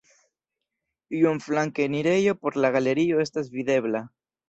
Iom flanke enirejo por la galerio estas videbla.